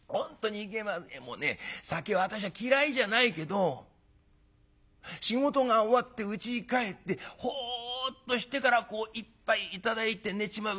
もうね酒は私は嫌いじゃないけど仕事が終わってうちに帰ってほっとしてからこう一杯頂いて寝ちまう。